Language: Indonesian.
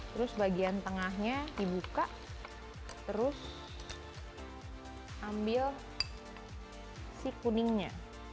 terus bagian tengahnya dibuka terus ambil si kuningnya